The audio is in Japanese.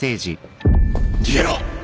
逃げろ！